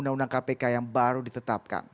dan undang undang kpk yang baru ditetapkan